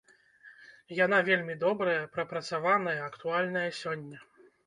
Яна вельмі добра прапрацаваная, актуальная сёння.